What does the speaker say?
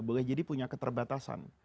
boleh jadi punya keterbatasan